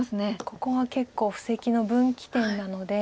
ここは結構布石の分岐点なので。